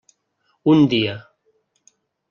Un dia.